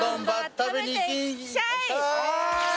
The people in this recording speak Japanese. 「食べていきんしゃい！」